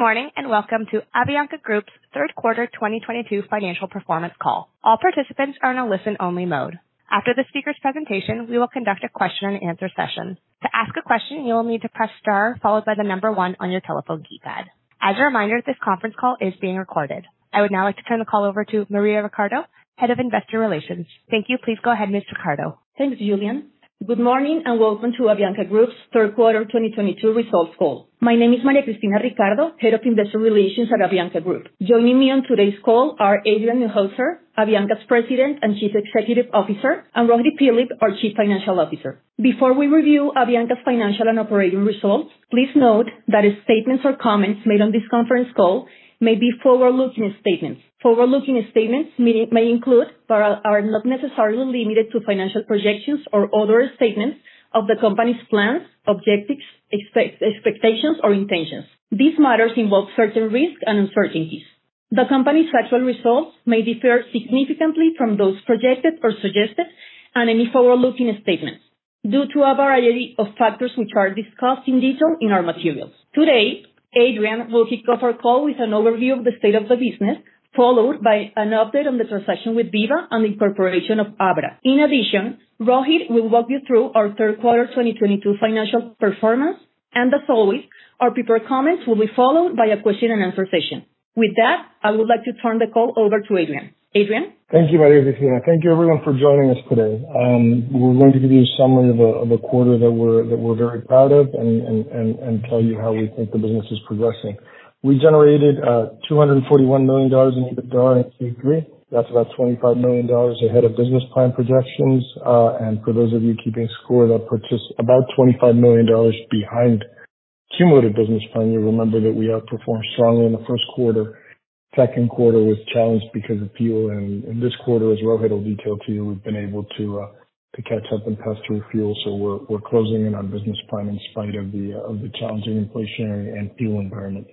Good morning, and welcome to Avianca Group's third quarter 2022 financial performance call. All participants are in a listen only mode. After the speaker's presentation, we will conduct a question and answer session. To ask a question, you will need to press star followed by the number one on your telephone keypad. As a reminder, this conference call is being recorded. I would now like to turn the call over to María Ricardo, Head of Investor Relations. Thank you. Please go ahead, Ms. Ricardo. Thanks, Julian. Good morning, and welcome to Avianca Group's third quarter 2022 results call. My name is María Cristina Ricardo, Head of Investor Relations at Avianca Group. Joining me on today's call are Adrian Neuhauser, Avianca's President and Chief Executive Officer, and Rohit Philip, our Chief Financial Officer. Before we review Avianca's financial and operating results, please note that statements or comments made on this conference call may be forward-looking statements. Forward-looking statements may include, but are not necessarily limited to financial projections or other statements of the company's plans, objectives, expectations, or intentions. These matters involve certain risks and uncertainties. The company's actual results may differ significantly from those projected or suggested on any forward-looking statements due to a variety of factors which are discussed in detail in our materials. Today, Adrian will kick off our call with an overview of the state of the business, followed by an update on the transaction with Viva and the incorporation of Abra. In addition, Rohit will walk you through our third quarter 2022 financial performance, and as always, our prepared comments will be followed by a question and answer session. With that, I would like to turn the call over to Adrian. Adrian? Thank you, María Cristina. Thank you everyone for joining us today. We're going to give you a summary of a quarter that we're very proud of and tell you how we think the business is progressing. We generated $241 million in EBITDA in Q3. That's about $25 million ahead of business plan projections. For those of you keeping score, about $25 million behind cumulative business plan. You'll remember that we outperformed strongly in the first quarter. Second quarter was challenged because of fuel, and in this quarter, as Rohit will detail to you, we've been able to catch up and pass through fuel. We're closing in on business plan in spite of the challenging inflationary and fuel environment.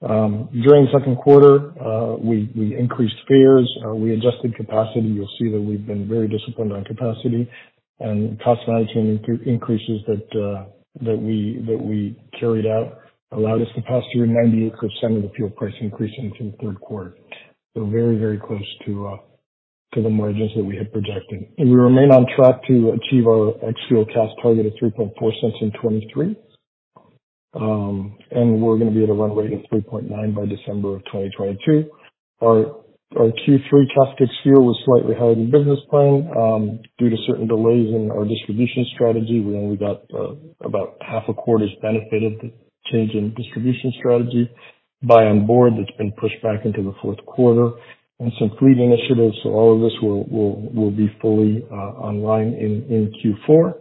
During the second quarter, we increased fares. We adjusted capacity. You'll see that we've been very disciplined on capacity and cost management through increases that we carried out allowed us to pass through 98% of the fuel price increase into the third quarter. So very, very close to the margins that we had projected. We remain on track to achieve our ex-Fuel CASK target of $0.034 in 2023. We're gonna be at a run rate of $0.039 by December of 2022. Our Q3 CASK ex-fuel was slightly higher than business plan due to certain delays in our distribution strategy. We only got about half a quarter's benefit of the change in distribution strategy. Buy on board that's been pushed back into the fourth quarter and some fleet initiatives. All of this will be fully online in Q4.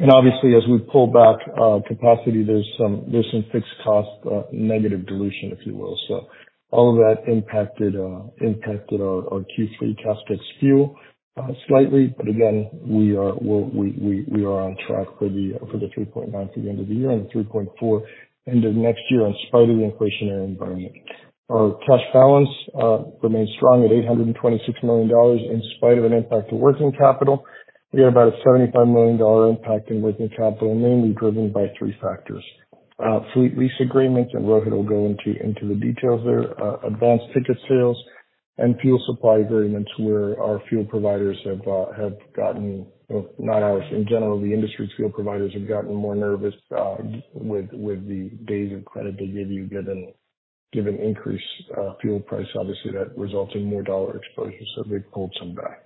Obviously, as we pull back capacity, there's some fixed cost negative dilution, if you will. All of that impacted our Q3 CASK ex-fuel slightly, but again, we are on track for the $0.039 for the end of the year and the $0.034 end of next year, in spite of the inflationary environment. Our cash balance remains strong at $826 million in spite of an impact to working capital. We had about a $75 million impact in working capital, mainly driven by three factors: fleet lease agreements, and Rohit will go into the details there, advanced ticket sales, and fuel supply agreements, where our fuel providers have gotten, well, not ours. In general, the industry fuel providers have gotten more nervous, with the days of credit they give you, given increased fuel price. Obviously, that results in more dollar exposure, so they've pulled some back.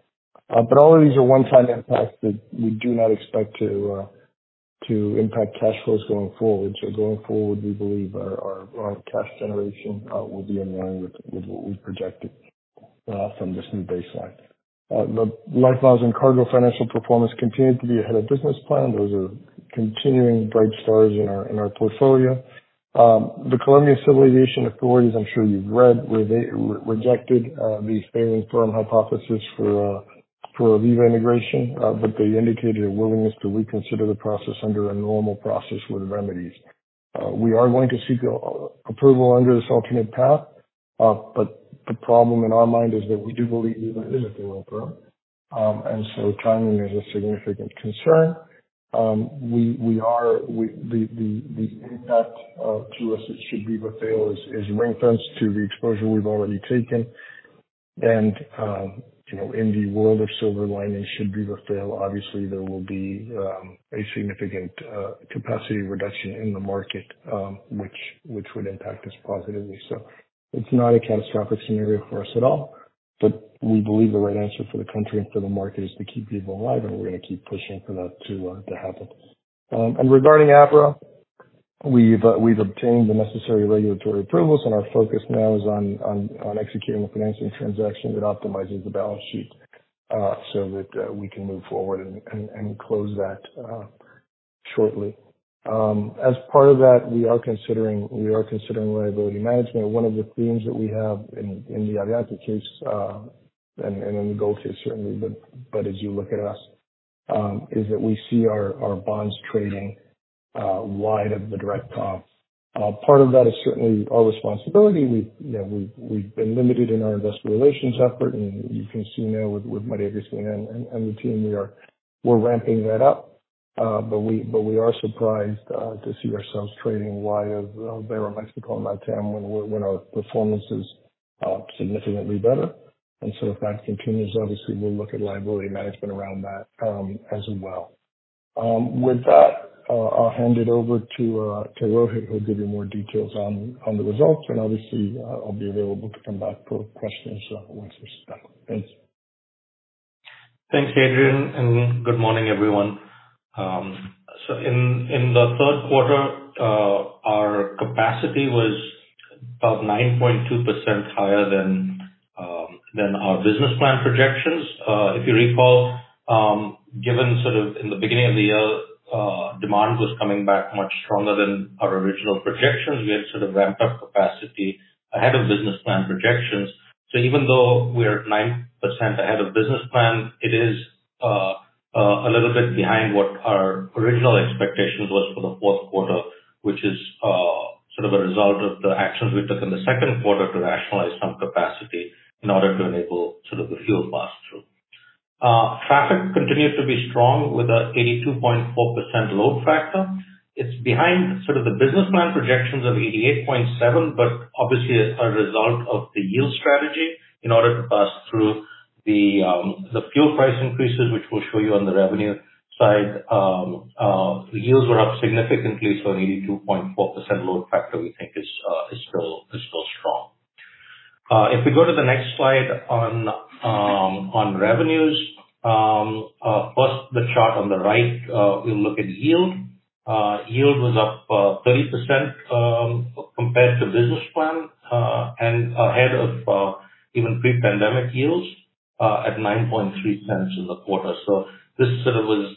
But all of these are one-time impacts that we do not expect to impact cash flows going forward. Going forward, we believe our cash generation will be in line with what we've projected from this new baseline. The LifeMiles and Cargo financial performance continued to be ahead of business plan. Those are continuing bright stars in our portfolio. The Civil Aviation Authority of Colombia, I'm sure you've read, where they rejected the failing firm hypothesis for Viva integration, but they indicated a willingness to reconsider the process under a normal process with remedies. We are going to seek approval under this alternate path, but the problem in our mind is that we do believe Viva is a failing firm. Timing is a significant concern. The impact to us should Viva fail is ring-fenced to the exposure we've already taken. You know, in the world of silver linings, should Viva fail, obviously there will be a significant capacity reduction in the market, which would impact us positively. It's not a catastrophic scenario for us at all, but we believe the right answer for the country and for the market is to keep Viva alive, and we're gonna keep pushing for that to happen. Regarding Abra, we've obtained the necessary regulatory approvals, and our focus now is on executing the financing transaction that optimizes the balance sheet, so that we can move forward and close that shortly. As part of that, we are considering liability management. One of the themes that we have in the Avianca case and in the GOL case certainly, as you look at us, is that we see our bonds trading wide of the direct comp. Part of that is certainly our responsibility. You know, we've been limited in our investor relations effort. You can see now with María Cristina and the team, we're ramping that up. But we are surprised to see ourselves trading wide of Aeroméxico and LATAM when our performance is significantly better. If that continues, obviously we'll look at liability management around that as well. With that, I'll hand it over to Rohit, who'll give you more details on the results. Obviously, I'll be available to come back for questions once we're done. Thanks. Thanks, Adrian, and good morning, everyone. In the third quarter, our capacity was about 9.2% higher than our business plan projections. If you recall, given sort of in the beginning of the year, demand was coming back much stronger than our original projections. We had sort of ramped up capacity ahead of business plan projections. Even though we're 9% ahead of business plan, it is a little bit behind what our original expectations was for the fourth quarter, which is sort of a result of the actions we took in the second quarter to rationalize some capacity in order to enable sort of the fuel pass-through. Traffic continues to be strong with a 82.4% load factor. It's behind sort of the business plan projections of 88.7%, but obviously a result of the yield strategy in order to pass through the fuel price increases, which we'll show you on the revenue side. Yields were up significantly, so an 82.4% load factor we think is still strong. If we go to the next slide on revenues. First the chart on the right, we look at yield. Yield was up 30% compared to business plan and ahead of even pre-pandemic yields at $0.093 in the quarter. This sort of was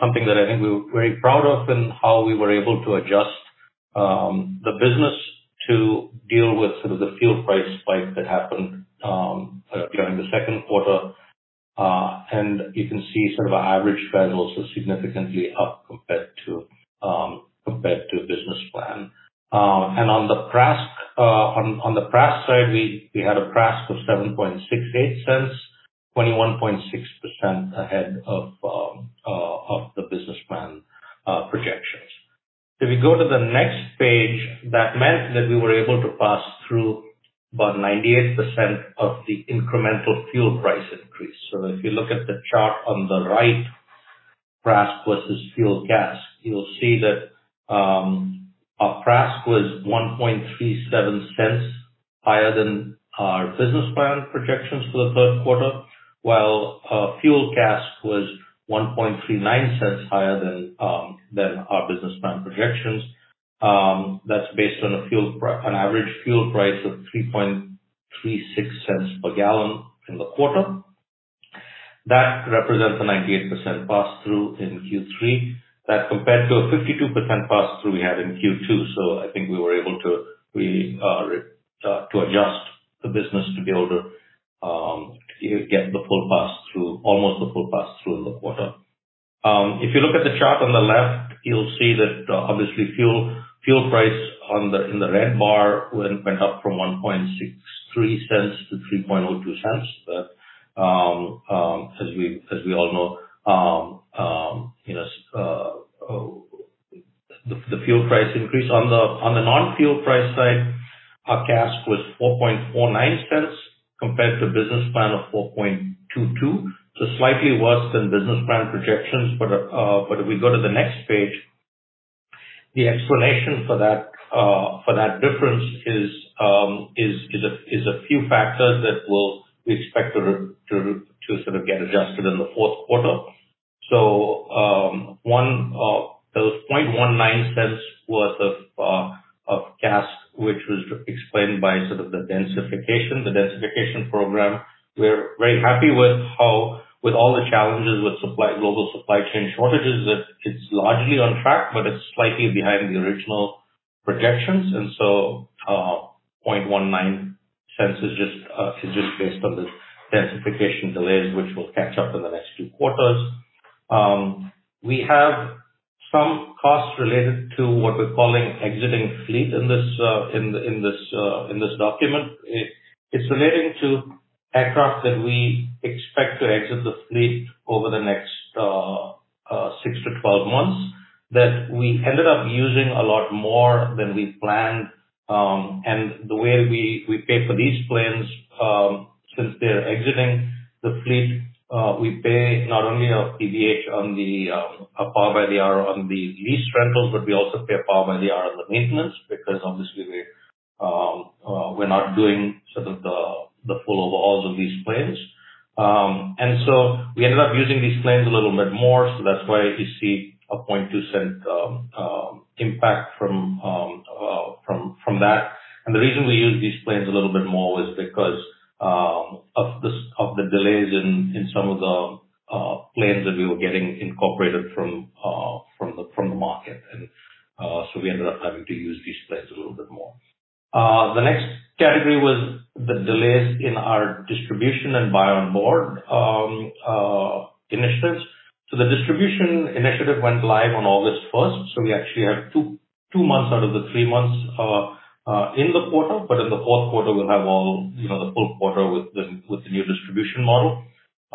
something that I think we're very proud of in how we were able to adjust the business to deal with sort of the fuel price spike that happened during the second quarter. You can see sort of our average fare was also significantly up compared to business plan. On the PRASK side, we had a PRASK of $0.0768, 21.6% ahead of the business plan projections. If you go to the next page, that meant that we were able to pass through about 98% of the incremental fuel price increase. If you look at the chart on the right, PRASK versus Fuel CASK, you'll see that, our PRASK was $0.0137 higher than our business plan projections for the third quarter, while our Fuel CASK was $0.0139 higher than our business plan projections. That's based on an average fuel price of $3.36 per gallon in the quarter. That represents a 98% pass-through in Q3. That compared to a 52% pass-through we had in Q2. I think we were able to really to adjust the business to be able to get the full pass-through, almost the full pass-through in the quarter. If you look at the chart on the left, you'll see that, obviously fuel price on the in the red bar went up from $0.0163-$0.0302. As we all know, you know, the fuel price increase. On the non-fuel price side, our CASK was $0.0449 compared to business plan of $0.0422. Slightly worse than business plan projections. If we go to the next page, the explanation for that difference is a few factors that we expect to sort of get adjusted in the fourth quarter. There was $0.19 worth of CASK, which was explained by sort of the densification program. We're very happy with how all the challenges with global supply chain shortages, that it's largely on track, but it's slightly behind the original projections. $0.19 is just based on the densification delays, which we'll catch up in the next two quarters. We have some costs related to what we're calling exiting fleet in this document. It's relating to aircraft that we expect to exit the fleet over the next six to 12 months that we ended up using a lot more than we planned. The way we pay for these planes, since they're exiting the fleet, we pay not only a PBH, a power by the hour, on the lease rentals, but we also pay power by the hour on the maintenance, because obviously we're not doing sort of the full overhauls of these planes. We ended up using these planes a little bit more, so that's why you see a $0.2 impact from that. The reason we used these planes a little bit more was because of the delays in some of the planes that we were getting incorporated from the market. We ended up having to use these planes a little bit more. The next category was the delays in our distribution and buy on board initiatives. The distribution initiative went live on August first, so we actually had two months out of the three months in the quarter, but in the fourth quarter we'll have all, you know, the full quarter with the new distribution model.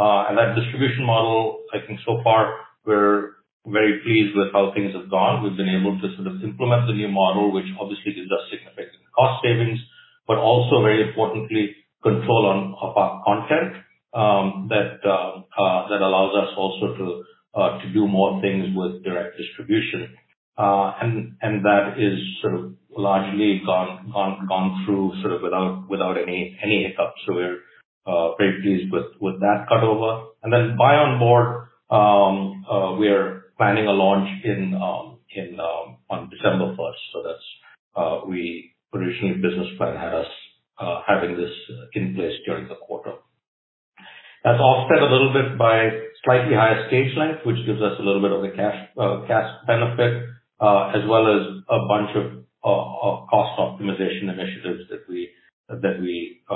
That distribution model, I think so far we're very pleased with how things have gone. We've been able to sort of implement the new model, which obviously gives us significant cost savings, but also very importantly, control of our content that allows us also to do more things with direct distribution. That is sort of largely gone through sort of without any hiccups. We're very pleased with that cut over. Buy on board, we are planning a launch on December 1st, so that's our original business plan had us having this in place during the quarter. That's offset a little bit by slightly higher stage length, which gives us a little bit of a cash benefit, as well as a bunch of cost optimization initiatives that we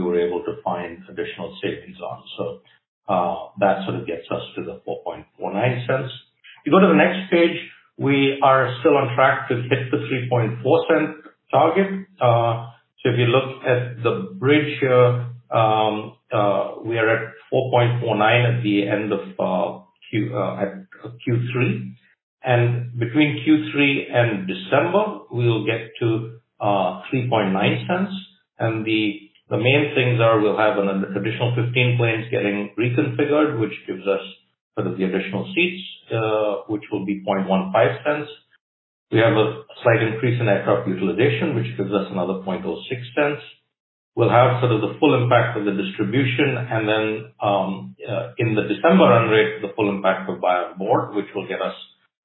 were able to find additional savings on. That sort of gets us to the $0.0449. If you go to the next page, we are still on track to hit the $0.034 target. If you look at the bridge here, we are at $0.0449 at the end of Q3. Between Q3 and December, we will get to $0.039. The main things are we'll have an additional 15 planes getting reconfigured, which gives us sort of the additional seats, which will be $0.0015. We have a slight increase in aircraft utilization, which gives us another $0.0006. We'll have sort of the full impact of the distribution and then in the December run rate, the full impact of buy on board, which will get us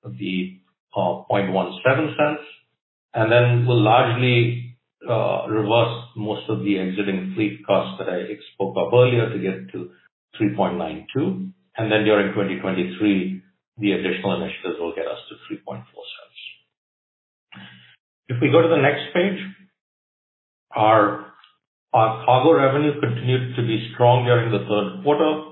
the $0.0017. Then we'll largely reverse most of the exiting fleet costs that I spoke of earlier to get to $0.0392. Then during 2023, the additional initiatives will get us to $0.034. If we go to the next page, our cargo revenue continued to be strong during the third quarter.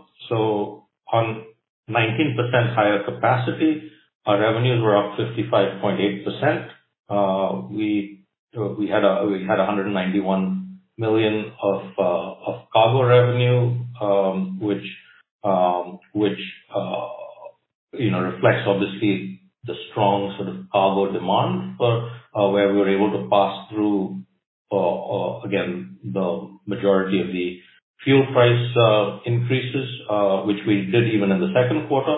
On 19% higher capacity, our revenues were up 55.8%. We had $191 million of cargo revenue, which you know reflects obviously the strong sort of cargo demand for where we were able to pass through again the majority of the fuel price increases, which we did even in the second quarter.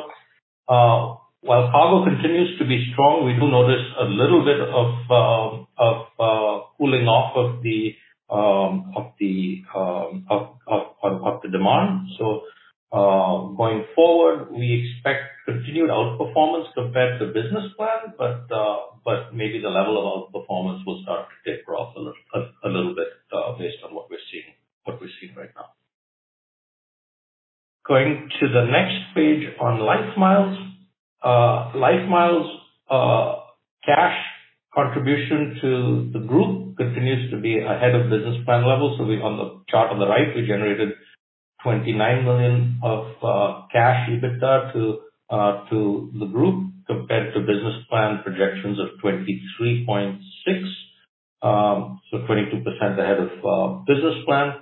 While cargo continues to be strong, we do notice a little bit of cooling off of the demand. Going forward, we expect continued outperformance compared to business plan, but maybe the level of outperformance will start to taper off a little bit, based on what we're seeing right now. Going to the next page on LifeMiles. LifeMiles cash contribution to the group continues to be ahead of business plan levels. On the chart on the right, we generated $29 million of cash EBITDA to the group, compared to business plan projections of $23.6 million. 22% ahead of business plan.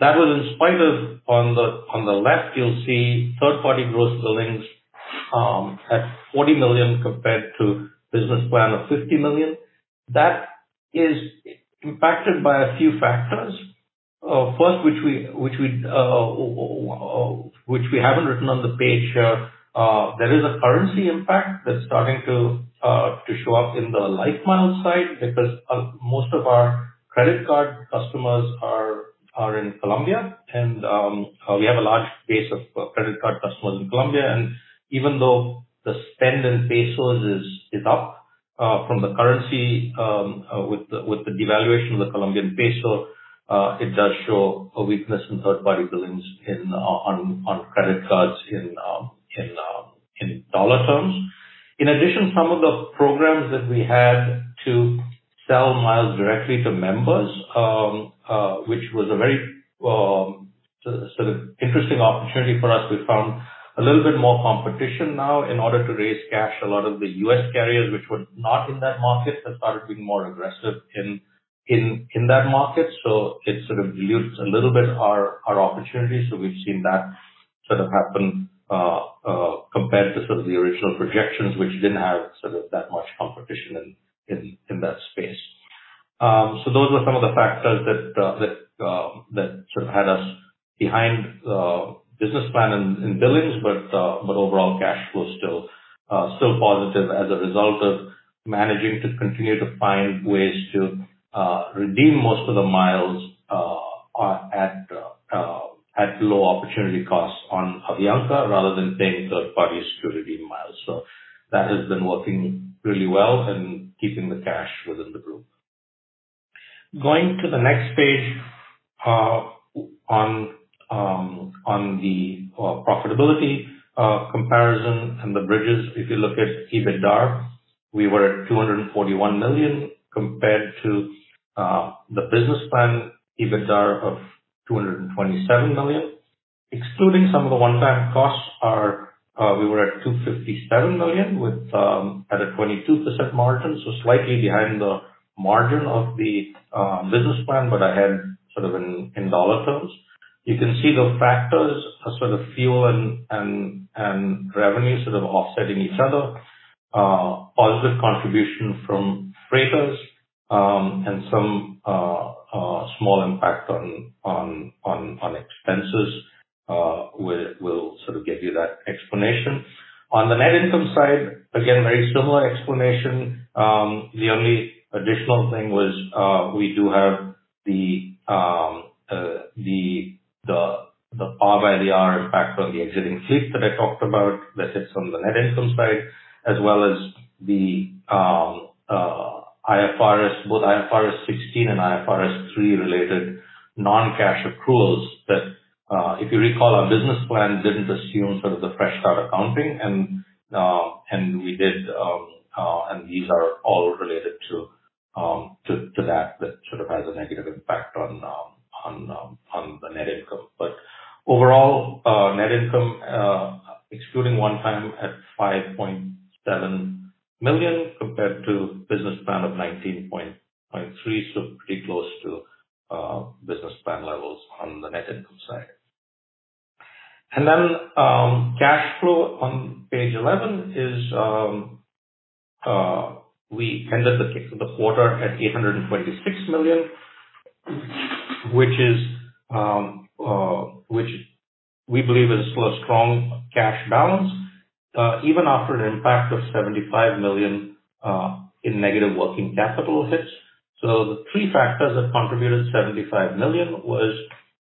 That was in spite of, on the left you'll see third party gross billings at $40 million compared to business plan of $50 million. That is impacted by a few factors. First, which we haven't written on the page here. There is a currency impact that's starting to show up in the LifeMiles side because most of our credit card customers are in Colombia. We have a large base of credit card customers in Colombia. Even though the spend in pesos is up from the currency with the devaluation of the Colombian peso, it does show a weakness in third-party billings on credit cards in dollar terms. In addition, some of the programs that we had to sell miles directly to members, which was a very sort of interesting opportunity for us. We found a little bit more competition now in order to raise cash. A lot of the U.S. carriers which were not in that market have started being more aggressive in that market. It sort of dilutes a little bit our opportunities. We've seen that sort of happen compared to sort of the original projections, which didn't have sort of that much competition in that space. Those were some of the factors that sort of had us behind business plan in billings. Overall cash flow still positive as a result of managing to continue to find ways to redeem most of the miles at low opportunity costs on Avianca rather than paying third parties to redeem miles. That has been working really well and keeping the cash within the group. Going to the next page, on the profitability comparison and the bridges. If you look at EBITDAR, we were at $241 million compared to the business plan EBITDAR of $227 million. Excluding some of the one-time costs, we were at $257 million with at a 22% margin. Slightly behind the margin of the business plan, but ahead sort of in dollar terms. You can see the factors are sort of fuel and revenue sort of offsetting each other. Positive contribution from freighters and some small impact on expenses will sort of give you that explanation. On the net income side, again, very similar explanation. The only additional thing was, we do have the power by the hour impact on the exiting fleet that I talked about. That hits on the net income side as well as the IFRS, both IFRS 16 and IFRS 3 related non-cash accruals that, if you recall, our business plan didn't assume sort of the fresh start accounting. These are all related to that sort of has a negative impact on the net income. Overall, net income, excluding one-time at $5.7 million compared to business plan of $19.3 million. Pretty close to business plan levels on the net income side. Cash flow on page 11 is, we ended the quarter at $826 million, which we believe is still a strong cash balance, even after an impact of $75 million in negative working capital hits. The three factors that contributed to $75 million was,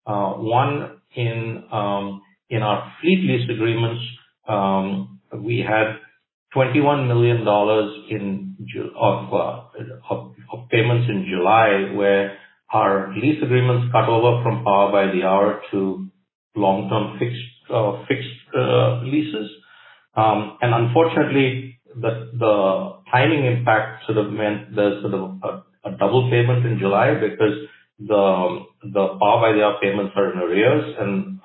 one, in our fleet lease agreements, we had $21 million in payments in July where our lease agreements cut over from power by the hour to long term fixed leases. And unfortunately the timing impact sort of meant there's sort of a double payment in July because the power by the hour payments are in arrears and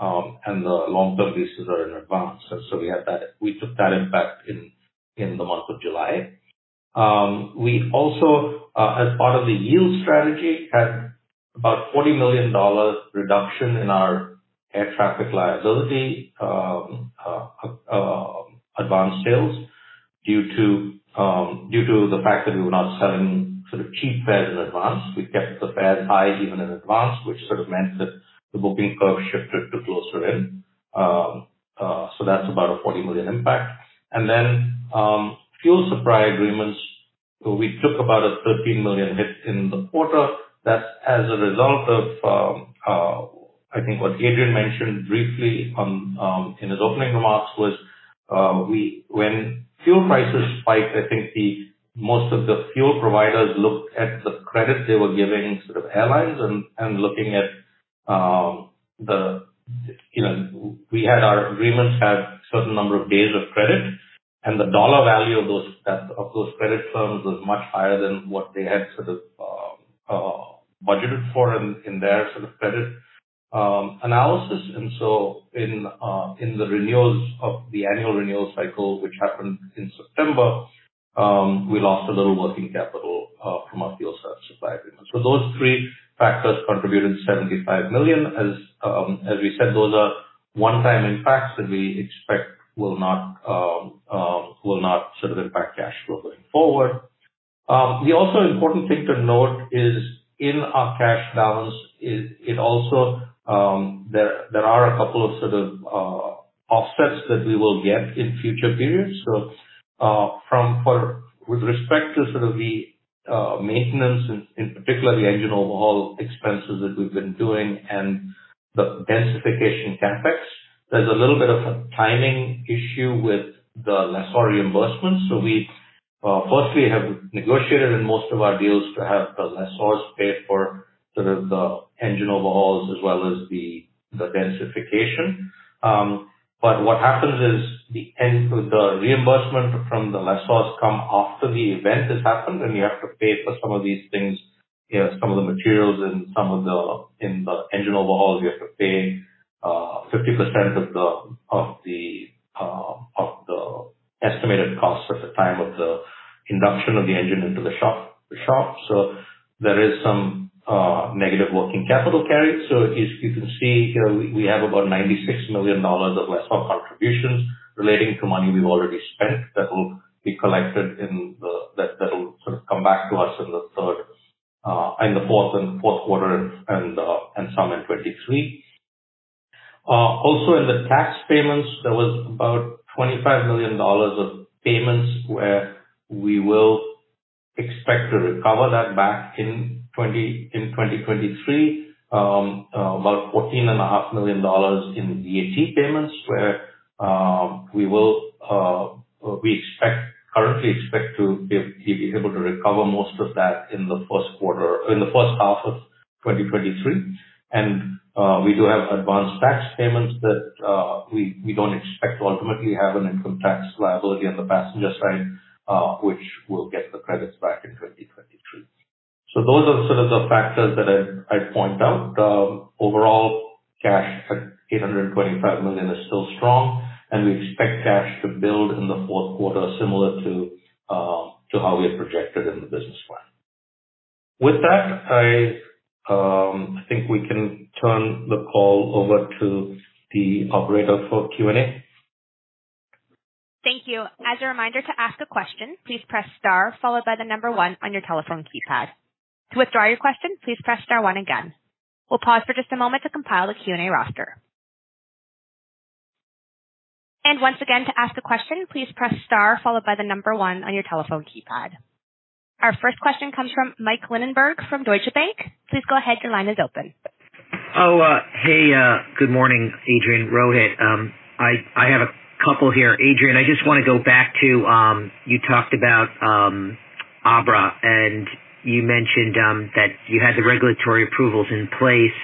the long term leases are in advance. We had that. We took that impact in the month of July. We also as part of the yield strategy had about $40 million reduction in our air traffic liability, advance sales due to the fact that we were not selling sort of cheap fares in advance. We kept the fares high even in advance, which sort of meant that the booking curve shifted to closer in. That's about a $40 million impact. Fuel supply agreements, we took about a $13 million hit in the quarter. That's as a result of, I think what Adrian mentioned briefly in his opening remarks was when fuel prices spiked. I think most of the fuel providers looked at the credit they were giving to airlines and looking at, you know, our agreements had certain number of days of credit and the dollar value of those credit terms was much higher than what they had sort of budgeted for in their sort of credit analysis. In the renewals of the annual renewal cycle which happened in September, we lost a little working capital from our fuel supply agreement. Those three factors contributed $75 million, as we said. Those are one-time impacts that we expect will not sort of impact cash flow going forward. The also important thing to note is that in our cash balance, there are a couple of sort of offsets that we will get in future periods. With respect to sort of the maintenance, in particular the engine overhaul expenses that we've been doing and the densification CapEx, there's a little bit of a timing issue with the lessor reimbursements. We firstly have negotiated in most of our deals to have the lessors pay for sort of the engine overhauls as well as the densification. What happens is the reimbursement from the lessors come after the event has happened and we have to pay for some of these things. You know, some of the materials and some of the, in the engine overhauls we have to pay 50% of the estimated cost at the time of the induction of the engine into the shop. There is some negative working capital carry. If you can see here we have about $96 million of lessor contributions relating to money we've already spent that will be collected in the, that'll sort of come back to us in the third, in the fourth quarter and some in 2023. Also in the tax payments there was about $25 million of payments where we will expect to recover that back in 2023. About $14.5 million in VAT payments where we currently expect to be able to recover most of that in the first half of 2023. We do have advanced tax payments that we don't expect to ultimately have an income tax liability on the passenger side, which we'll get the credits back in 2023. Those are sort of the factors that I'd point out. Overall cash at $825 million is still strong and we expect cash to build in the fourth quarter, similar to how we had projected in the business plan. With that, I think we can turn the call over to the operator for Q&A. Thank you. As a reminder to ask a question, please press star followed by the number one on your telephone keypad. To withdraw your question, please press star one again. We'll pause for just a moment to compile a Q&A roster. Once again, to ask a question, please press star followed by the number one on your telephone keypad. Our first question comes from Mike Linenberg from Deutsche Bank. Please go ahead. Your line is open. Hey, good morning, Adrian, Rohit. I have a couple here. Adrian, I just wanna go back to you talked about Abra and you mentioned that you had the regulatory approvals in place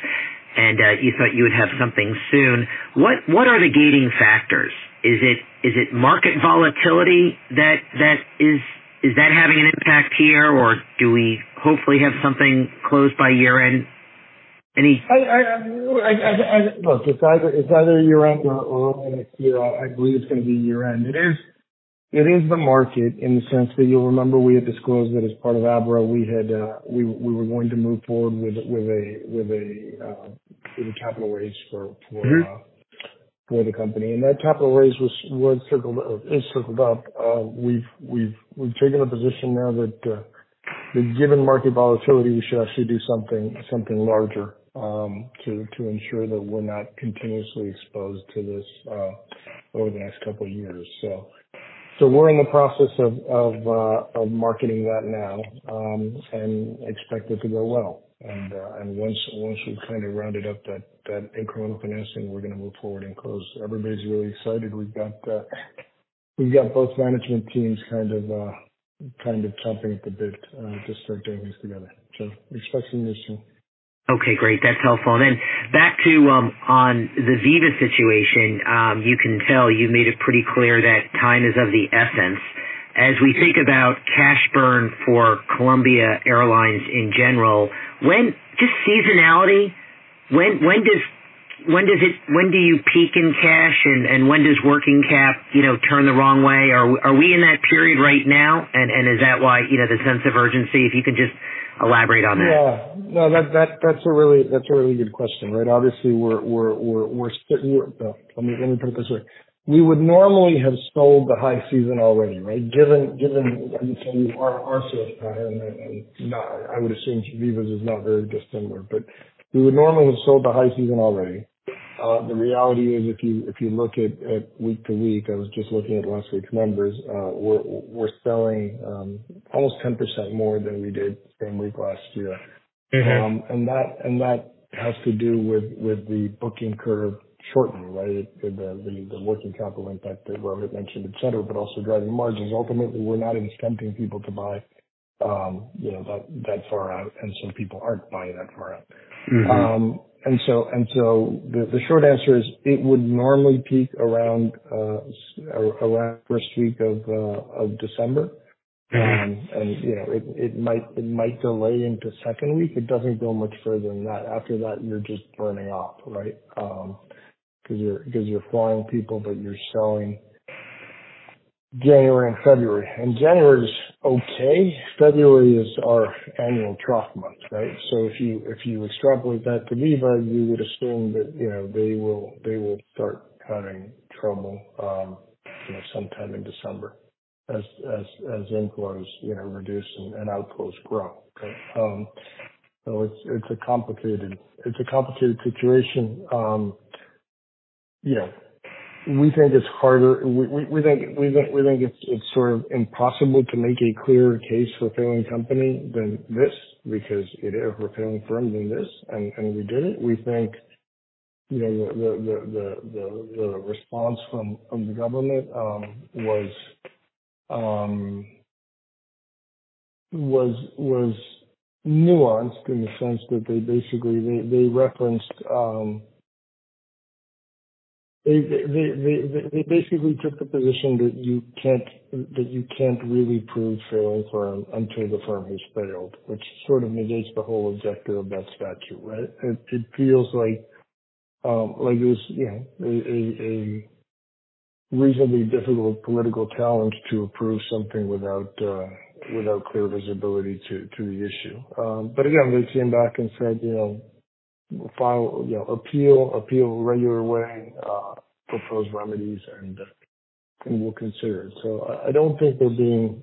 and you thought you would have something soon. What are the gating factors? Is it market volatility that is having an impact here or do we hopefully have something closed by year-end? Any- Look, it's either year-end or next year. I believe it's gonna be year-end. It is the market in the sense that you'll remember we had disclosed that as part of Abra we were going to move forward with a capital raise for the company. That capital raise is circled up. We've taken a position now that given market volatility, we should actually do something larger to ensure that we're not continuously exposed to this over the next couple of years. We're in the process of marketing that now and expect it to go well. Once we've kind of rounded up that incremental financing, we're gonna move forward and close. Everybody's really excited. We've got both management teams kind of chomping at the bit to start doing this together. Expecting this soon. Okay, great. That's helpful. Then back to on the Viva situation. You can tell you've made it pretty clear that time is of the essence. As we think about cash burn for Avianca in general, just seasonality, when does it peak in cash and when does working cap, you know, turn the wrong way? Are we in that period right now and is that why, you know, the sense of urgency, if you could just elaborate on that? Yeah. No, that's a really good question, right? Obviously, we're. Well, let me put it this way. We would normally have sold the high season already, right? Given our sales pattern, I would assume Viva's is not very dissimilar, but we would normally have sold the high season already. The reality is if you look at week to week, I was just looking at last week's numbers. We're selling almost 10% more than we did same week last year. Mm-hmm. That has to do with the booking curve shortening, right? The working capital impact that Rohit mentioned, et cetera, but also driving margins. Ultimately, we're not incenting people to buy, you know, that far out, and some people aren't buying that far out. Mm-hmm. The short answer is it would normally peak around first week of December. Mm-hmm. You know, it might delay into second week. It doesn't go much further than that. After that, you're just burning off, right? Because you're flying people, but you're selling January and February. January is okay. February is our annual trough month, right? If you extrapolate that to Viva, you would assume that, you know, they will start having trouble, you know, sometime in December as inflows, you know, reduce and outflows grow, right? It's a complicated situation. You know, we think it's harder. We think it's sort of impossible to make a clearer case for a failing company than this because it's a failing firm than this. We didn't. We think, you know, the response from the government was nuanced in the sense that they basically took the position that you can't really prove failing firm until the firm has failed, which sort of negates the whole objective of that statute, right? It feels like it was, you know, a reasonably difficult political challenge to approve something without clear visibility to the issue. Again, they came back and said, you know, "File, you know, appeal the regular way. Propose remedies and we'll consider it." I don't think they're being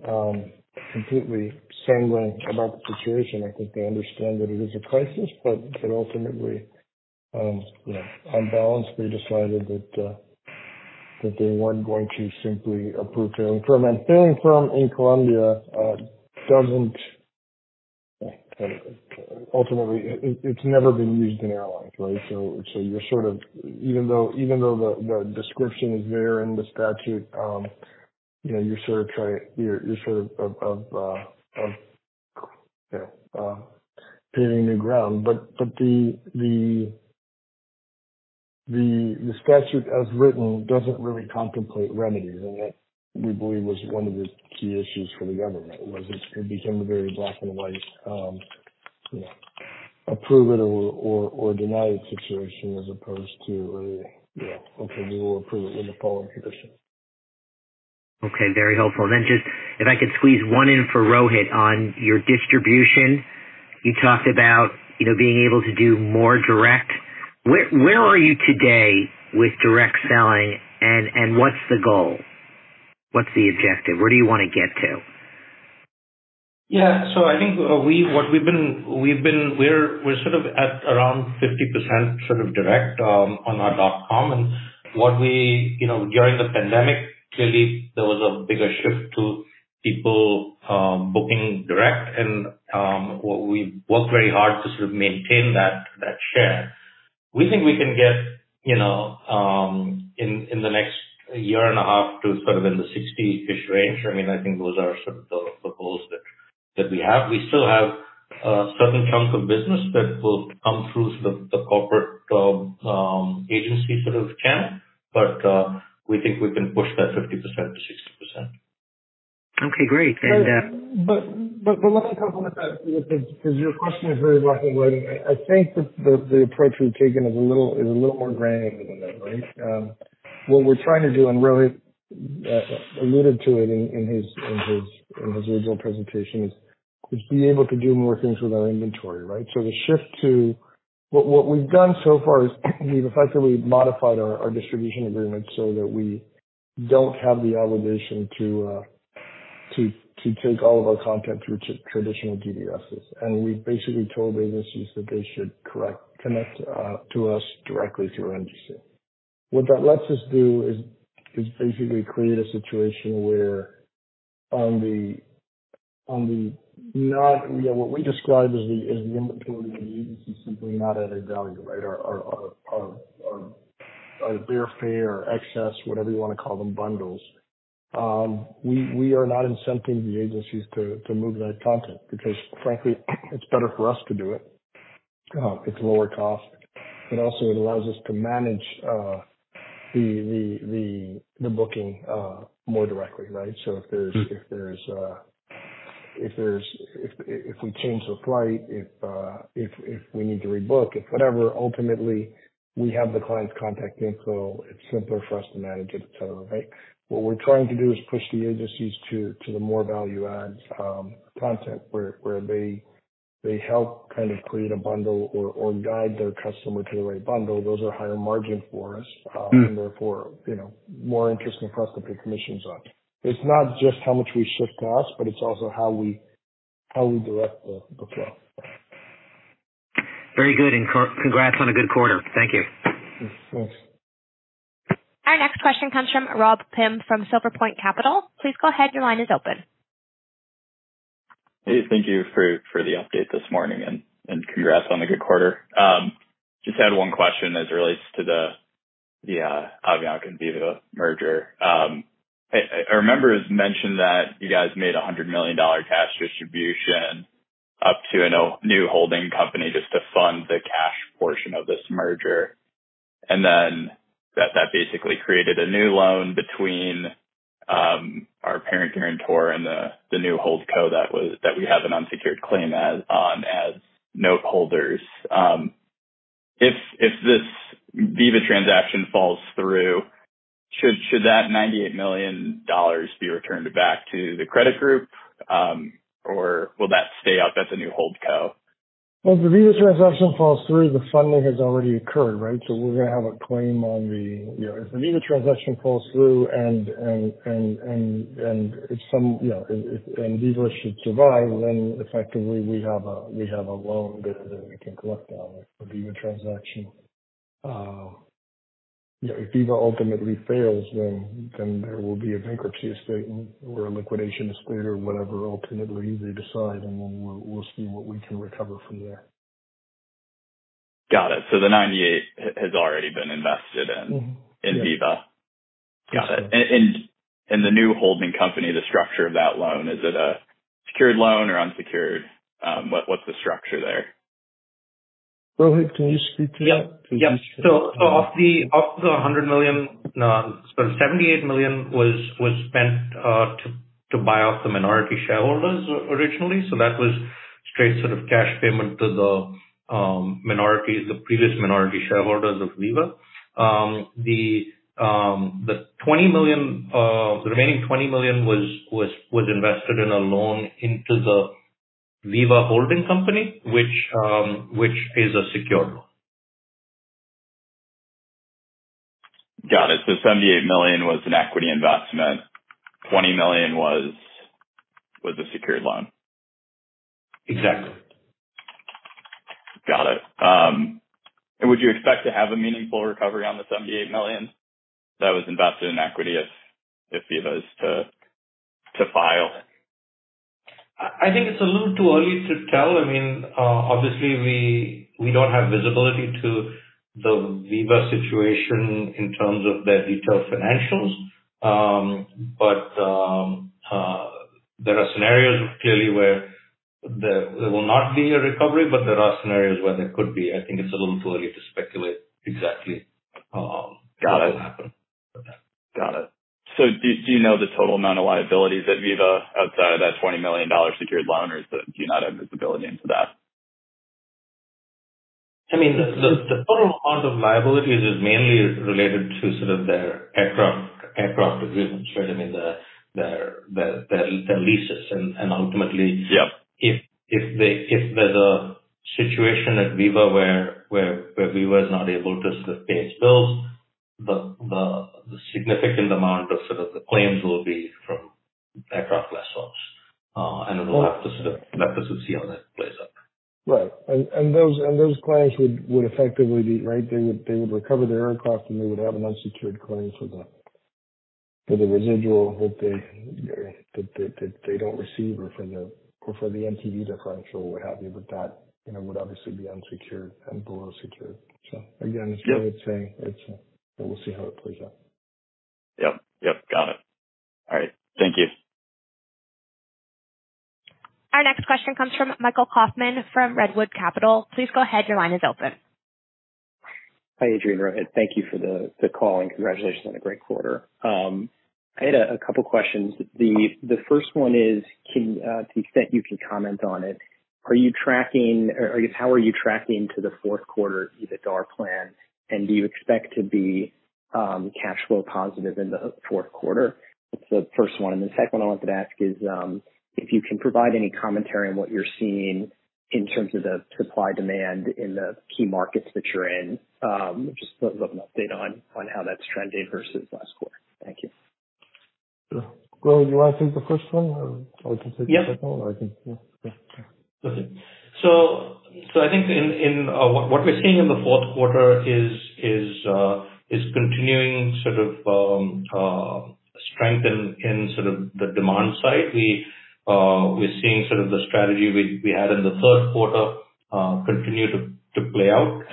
completely sanguine about the situation. I think they understand that it is a crisis, but ultimately, you know, on balance, they decided that they weren't going to simply approve failing firm. Failing firm in Colombia doesn't. Ultimately it's never been used in airlines, right? You're sort of, even though the description is there in the statute, you know, paving new ground. The statute as written doesn't really contemplate remedies. That, we believe, was one of the key issues for the government, that it became a very black and white, you know, approve it or deny it situation as opposed to a, you know, okay, we will approve it with the following conditions. Okay, very helpful. Just if I could squeeze one in for Rohit on your distribution. You talked about, you know, being able to do more direct. Where are you today with direct selling and what's the goal? What's the objective? Where do you wanna get to? I think we're sort of at around 50% sort of direct on our dot com. You know, during the pandemic, clearly there was a bigger shift to people booking direct. We worked very hard to sort of maintain that share. We think we can get, you know, in the next year and a half to sort of in the 60%-ish range. I mean, I think those are sort of the goals that we have. We still have a certain chunk of business that will come through sort of the corporate agency sort of channel. We think we can push that 50%-60%. Okay, great. Let me complement that because your question is very black and white. I think that the approach we've taken is a little more granular than that, right? What we're trying to do, and Rohit alluded to it in his original presentation, is be able to do more things with our inventory, right? What we've done so far is we've effectively modified our distribution agreement so that we don't have the obligation to take all of our content through traditional GDSs. We've basically told agencies that they should connect to us directly through our NDC. What that lets us do is basically create a situation where you know, what we describe as the inventory that the agencies simply do not add value, right? Our base fare extras, whatever you wanna call them, bundles. We are not incenting the agencies to move that content because frankly it's better for us to do it. It's lower cost. But also it allows us to manage the booking more directly, right? Mm. If we change the flight, if we need to rebook, if whatever, ultimately we have the client's contact info, it's simpler for us to manage it et cetera, right? What we're trying to do is push the agencies to the more value adds content where they help kind of create a bundle or guide their customer to the right bundle. Those are higher margin for us. Mm. Therefore, you know, more interesting for us to put commissions on. It's not just how much we shift to us, but it's also how we direct the flow. Very good. Congrats on a good quarter. Thank you. Thanks. Our next question comes from Rob Pim from Silver Point Capital. Please go ahead. Your line is open. Hey, thank you for the update this morning and congrats on the good quarter. Just had one question as it relates to the Avianca-Viva merger. I remember it was mentioned that you guys made a $100 million cash distribution up to a new holding company just to fund the cash portion of this merger. Then that basically created a new loan between our parent guarantor and the new holdco that we have an unsecured claim as note holders. If this Viva transaction falls through, should that $98 million be returned back to the credit group, or will that stay up at the new holdco? Well, if the Viva transaction falls through, the funding has already occurred, right? We're gonna have a claim on the Viva transaction. You know, if the Viva transaction falls through and if Viva should survive, then effectively we have a loan that we can collect on for the Viva transaction. You know, if Viva ultimately fails, then there will be a bankruptcy estate or a liquidation estate or whatever ultimately they decide, and then we'll see what we can recover from there. Got it. The $98 has already been invested in- Mm-hmm. Yeah. In Viva. Got it. The new holding company, the structure of that loan, is it a secured loan or unsecured? What's the structure there? Rohit, can you speak to that? Of the $78 million was spent to buy out the minority shareholders originally. That was straight sort of cash payment to the minority, the previous minority shareholders of Viva. The remaining $20 million was invested in a loan into the Viva holding company, which is a secured loan. Got it. $78 million was an equity investment, $20 million was a secured loan. Exactly. Got it. Would you expect to have a meaningful recovery on the $78 million that was invested in equity if Viva is to file? I think it's a little too early to tell. I mean, obviously we don't have visibility to the Viva situation in terms of their detailed financials. There are scenarios clearly where there will not be a recovery, but there are scenarios where there could be. I think it's a little too early to speculate exactly what will happen. Got it. Do you know the total amount of liabilities at Viva outside of that $20 million secured loan, or do you not have visibility into that? I mean, the total amount of liabilities is mainly related to sort of their aircraft agreements, right? I mean, their leases and ultimately. Yeah. If there's a situation at Viva where Viva is not able to sort of pay its bills, the significant amount of sort of the claims will be from aircraft lessors. We'll have to sort of see how that plays out. Right. Those claims would effectively be. Right? They would recover the aircraft, and they would have an unsecured claim for the residual that they don't receive or from the MV differential or what have you. That, you know, would obviously be unsecured and below secured. Again- Yeah. It's where I'd say it's. We'll see how it plays out. Yep. Got it. All right, thank you. Our next question comes from Michael Kaufman from Redwood Capital. Please go ahead. Your line is open. Hi, Adrian, Rohit. Thank you for the call, and congratulations on a great quarter. I had a couple questions. The first one is, to the extent you can comment on it, are you tracking or I guess how are you tracking to the fourth quarter EBITDAR plan, and do you expect to be cash flow positive in the fourth quarter? That's the first one. The second one I wanted to ask is, if you can provide any commentary on what you're seeing in terms of the supply and demand in the key markets that you're in, just sort of an update on how that's trending versus last quarter. Thank you. Sure. Rohit, you wanna take the first one, or I can take the second one? Yeah. Yeah. Okay. I think in what we're seeing in the fourth quarter is continuing sort of strength in sort of the demand side. We're seeing sort of the strategy we had in the third quarter continue to play out.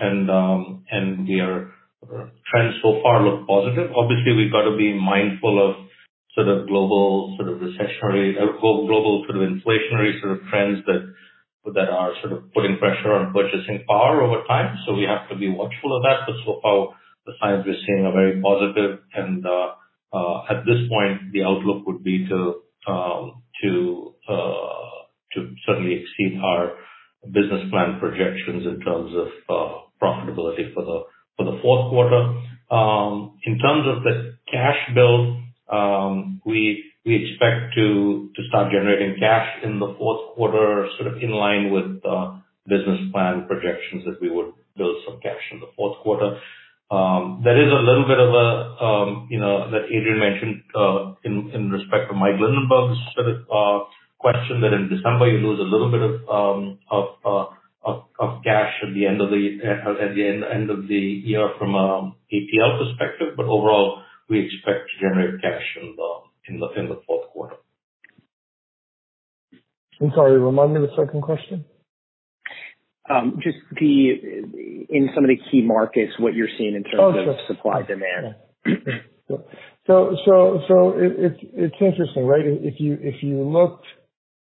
Trends so far look positive. Obviously, we've got to be mindful of sort of global sort of recessionary global sort of inflationary sort of trends that are sort of putting pressure on purchasing power over time. We have to be watchful of that. So far the signs we're seeing are very positive. At this point the outlook would be to certainly exceed our business plan projections in terms of profitability for the fourth quarter. In terms of the cash build, we expect to start generating cash in the fourth quarter, sort of in line with business plan projections that we would build some cash in the fourth quarter. There is a little bit of a, you know, that Adrian mentioned, in respect to Mike Linenberg's sort of question that in December you lose a little bit of of cash at the end of the year from a ATL perspective. Overall, we expect to generate cash in the fourth quarter. I'm sorry, remind me the second question. In some of the key markets, what you're seeing in terms of- Oh, sure. Supply demand. It's interesting, right? If you looked.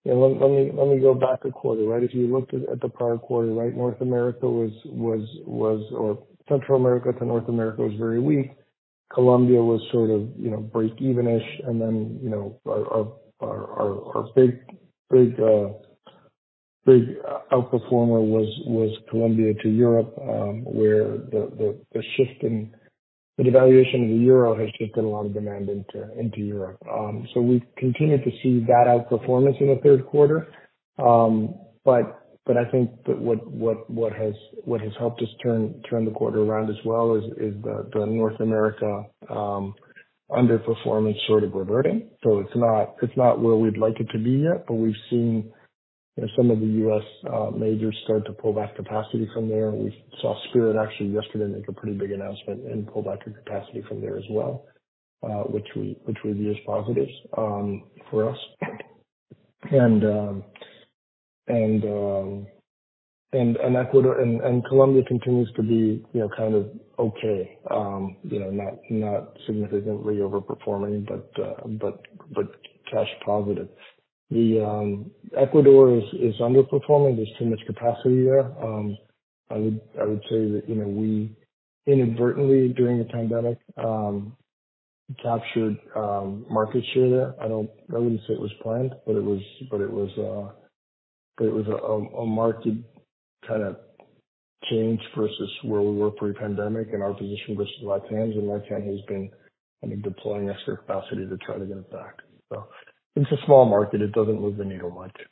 You know, let me go back a quarter, right? If you looked at the prior quarter, right? North America was. Or Central America to North America was very weak. Colombia was sort of, you know, break even-ish. You know, our big outperformer was Colombia to Europe, where the shift in the devaluation of the euro has shifted a lot of demand into Europe. We've continued to see that outperformance in the third quarter. I think that what has helped us turn the quarter around as well is the North America underperformance sort of reverting. It's not where we'd like it to be yet, but we've seen, you know, some of the U.S. majors start to pull back capacity from there. We saw Spirit actually yesterday make a pretty big announcement and pull back their capacity from there as well, which we view as positive for us. Ecuador and Colombia continues to be, you know, kind of okay. Not significantly overperforming, but cash positive. Ecuador is underperforming. There's too much capacity there. I would say that, you know, we inadvertently during the pandemic captured market share there. I wouldn't say it was planned, but it was a marked kind of change versus where we were pre-pandemic and our position versus LATAM's. LATAM has been kind of deploying extra capacity to try to get it back. It's a small market. It doesn't move the needle much. It's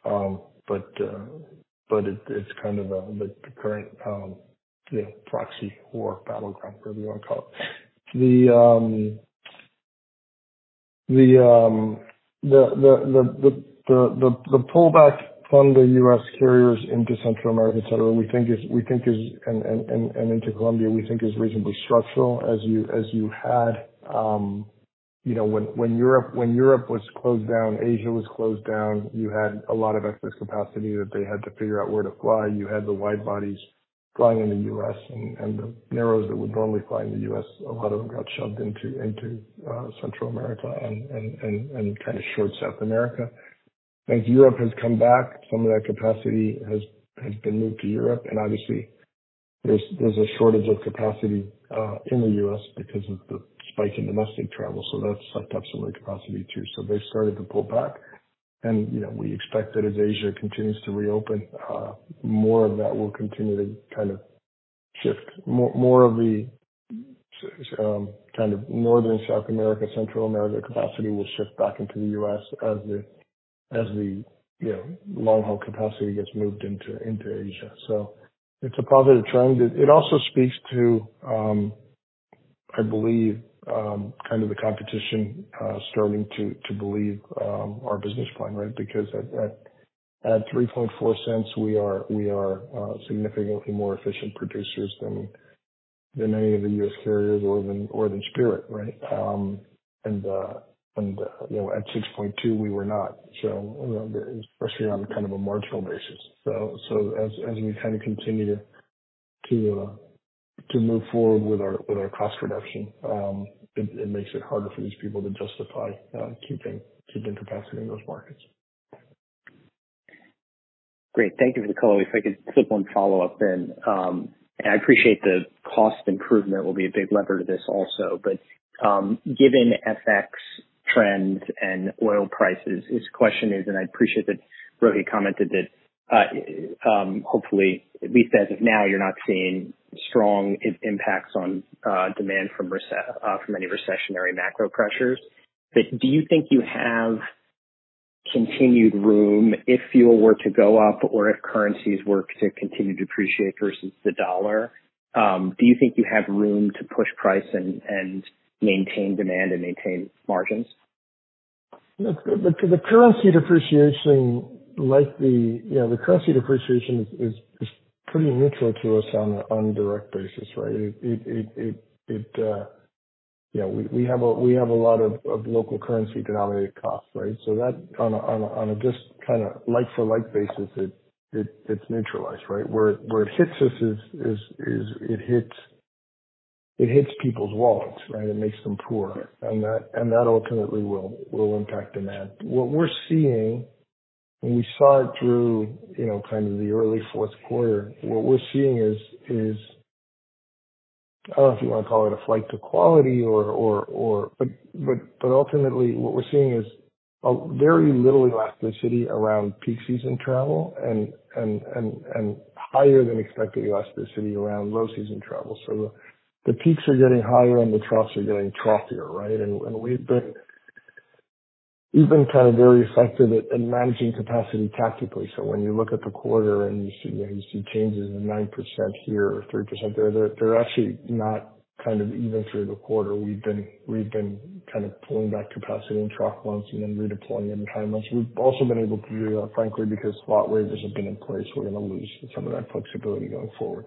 kind of the current you know proxy or battleground, however you wanna call it. The pullback from the U.S. carriers into Central America, et cetera, we think is and into Colombia, we think is reasonably structural as you had. When Europe was closed down, Asia was closed down, you had a lot of excess capacity that they had to figure out where to fly. You had the wide-bodies flying in the U.S. and the narrow-bodies that would normally fly in the U.S., a lot of them got shoved into Central America and kind of short-haul South America. As Europe has come back, some of that capacity has been moved to Europe. Obviously there's a shortage of capacity in the US because of the spike in domestic travel. That's sucked up some of the capacity too. They've started to pull back. You know, we expect that as Asia continues to reopen, more of that will continue to kind of shift. More of the kind of northern South America, Central America capacity will shift back into the U.S. as the you know, long-haul capacity gets moved into Asia. It's a positive trend. It also speaks to, I believe, kind of the competition starting to believe our business plan, right? Because at $0.034 we are significantly more efficient producers than any of the U.S. carriers or than Spirit, right? You know, at $0.062 we were not. You know, especially on kind of a marginal basis. As we kind of continue to move forward with our cost reduction, it makes it harder for these people to justify keeping capacity in those markets. Great. Thank you for the call. If I could slip one follow-up. I appreciate the cost improvement will be a big lever to this also, given FX trends and oil prices, this question is, I appreciate that Rohit commented that, hopefully at least as of now, you're not seeing strong impacts on demand from any recessionary macro pressures. Do you think you have continued room if fuel were to go up or if currencies were to continue to depreciate versus the dollar? Do you think you have room to push price and maintain demand and maintain margins? Look, the currency depreciation. You know, the currency depreciation is pretty neutral to us on a direct basis, right? It. You know, we have a lot of local currency denominated costs, right? So that on a just kinda like for like basis, it's neutralized, right? Where it hits us is it hits people's wallets, right? It makes them poorer. That ultimately will impact demand. What we're seeing, we saw it through you know kind of the early fourth quarter. What we're seeing is I don't know if you wanna call it a flight to quality or. Ultimately what we're seeing is a very little elasticity around peak season travel and higher than expected elasticity around low season travel. The peaks are getting higher, and the troughs are getting troughier, right? We've been very effective at in managing capacity tactically. When you look at the quarter and you see, you know, you see changes of 9% here or 3% there, they're actually not kind of even through the quarter. We've been pulling back capacity in trough months and then redeploying in the high months. We've also been able to do that, frankly, because slot waivers have been in place. We're gonna lose some of that flexibility going forward.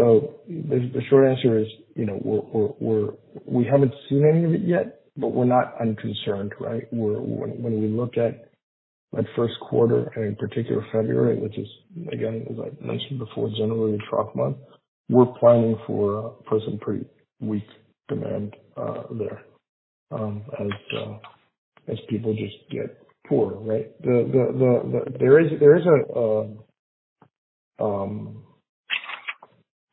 The short answer is, you know, we're. We haven't seen any of it yet, but we're not unconcerned, right? When we look at first quarter and in particular February, which is again, as I mentioned before, generally a trough month, we're planning for some pretty weak demand there, as people just get poorer, right? There is a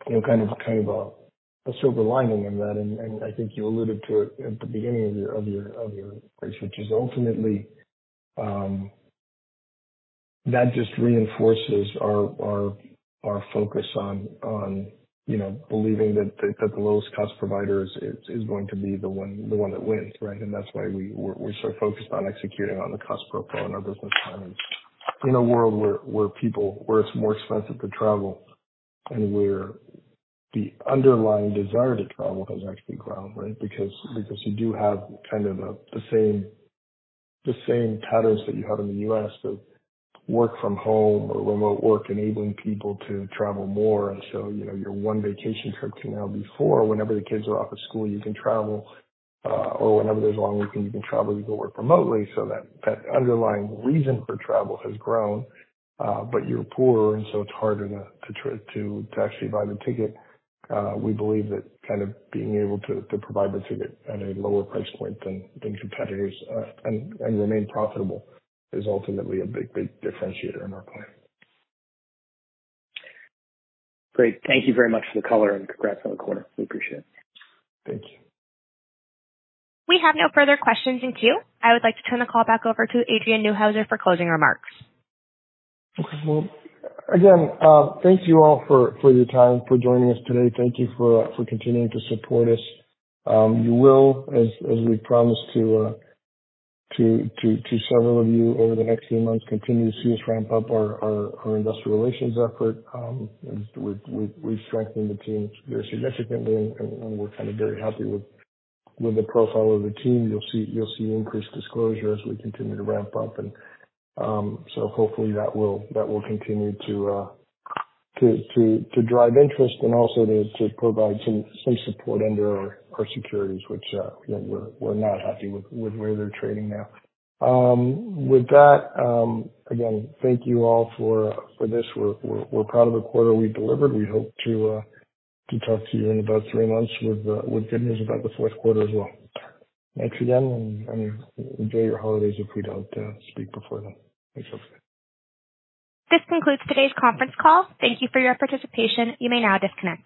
you know, kind of a silver lining in that. I think you alluded to it at the beginning of your question, which is ultimately, that just reinforces our focus on you know, believing that the lowest cost provider is going to be the one that wins, right? That's why we're so focused on executing on the cost profile in our business plan. In a world where it's more expensive to travel and where the underlying desire to travel has actually grown, right? Because you do have kind of the same patterns that you have in the U.S. of work from home or remote work enabling people to travel more. You know, your one vacation trip can now be four. Whenever the kids are off of school you can travel, or whenever there's a long weekend you can travel, you can work remotely. That underlying reason for travel has grown. But you're poorer and so it's harder to actually buy the ticket. We believe that kind of being able to provide the ticket at a lower price point than competitors and remain profitable is ultimately a big differentiator in our plan. Great. Thank you very much for the color, and congrats on the quarter. We appreciate it. Thank you. We have no further questions in queue. I would like to turn the call back over to Adrian Neuhauser for closing remarks. Okay. Well, again, thank you all for your time for joining us today. Thank you for continuing to support us. You will, as we promised to several of you over the next few months, continue to see us ramp up our industrial relations effort. We have strengthened the team very significantly and we're kind of very happy with the profile of the team. You'll see increased disclosure as we continue to ramp up and so hopefully that will continue to drive interest and also to provide some support under our securities which, you know, we're not happy with where they're trading now. With that, again, thank you all for this. We're proud of the quarter we delivered. We hope to talk to you in about three months with good news about the fourth quarter as well. Thanks again, and I mean, enjoy your holidays if we don't speak before then. Thanks, folks. This concludes today's conference call. Thank you for your participation. You may now disconnect.